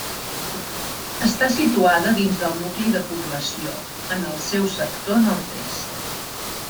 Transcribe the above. Està situada dins del nucli de població, en el seu sector nord-est.